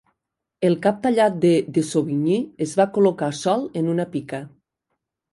El cap tallat de De Sauvigny es va col·locar sol en una pica.